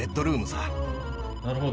なるほど。